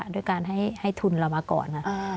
ด้วยการให้ทุนเรามาก่อน